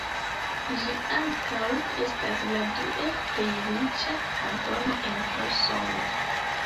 Ĝi ankaŭ estas la due plej riĉa kantono en Usono.